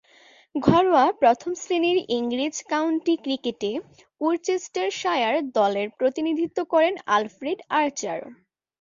ঘরোয়া প্রথম-শ্রেণীর ইংরেজ কাউন্টি ক্রিকেটে ওরচেস্টারশায়ার দলের প্রতিনিধিত্ব করেন আলফ্রেড আর্চার।